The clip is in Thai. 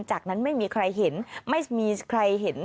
จากนั้นไม่มีใครเห็นไม่มีใครเห็น